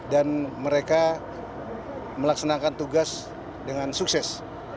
dan mereka melaksanakan tugas dengan sukses